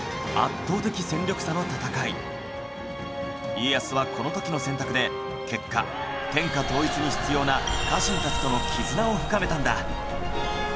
家康はこの時の選択で結果天下統一に必要な家臣たちとの絆を深めたんだ